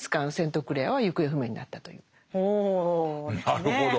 なるほど。